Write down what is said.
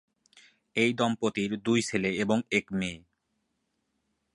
এই দম্পতির দুই ছেলে এবং এক মেয়ে।